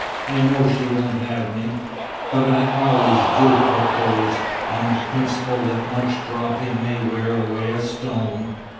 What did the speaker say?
I know she won't have me but I always do propose, on the principle that much dropping may wear away a stone."